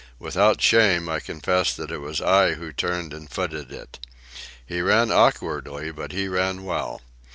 Without shame, I confess that it was I who turned and footed it. He ran awkwardly, but he ran well.